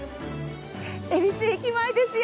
恵比寿駅前ですよ！